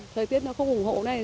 thời tiết nó không ủng hộ này